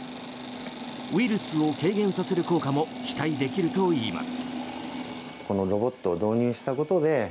ウイルスを軽減させる効果も期待できるといいます。